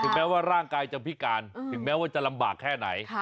แม้ว่าร่างกายจะพิการถึงแม้ว่าจะลำบากแค่ไหน